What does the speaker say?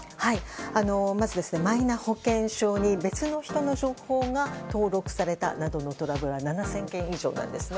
まず、マイナ保険証に別の人の情報が登録されたなどのトラブルは７０００件以上なんですね。